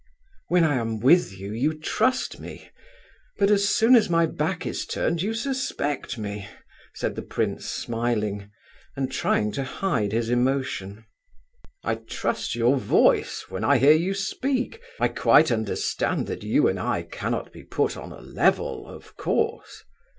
"When I am with you you trust me; but as soon as my back is turned you suspect me," said the prince, smiling, and trying to hide his emotion. "I trust your voice, when I hear you speak. I quite understand that you and I cannot be put on a level, of course."